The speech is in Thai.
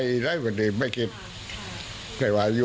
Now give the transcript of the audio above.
เครียดเครียดมาก